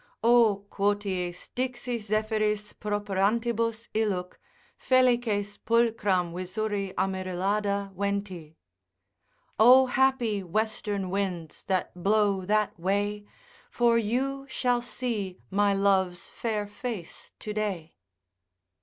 O quoties dixi Zephyris properantibus illuc, Felices pulchram visuri Amaryllada venti. O happy western winds that blow that way, For you shall see my love's fair face to day.